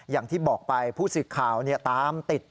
อย่างที่บอกไปผู้สื่อข่าวตามติด